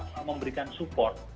kita memberikan support